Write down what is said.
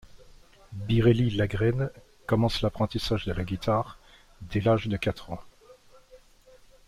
Biréli Lagrène commence l’apprentissage de la guitare dès l'âge de quatre ans.